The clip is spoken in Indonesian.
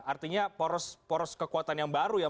artinya poros kekuatan yang baru ya